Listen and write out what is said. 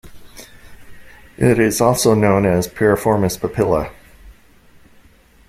It is also known as piriformis papilla.